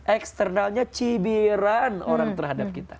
eksternalnya cibiran orang terhadap kita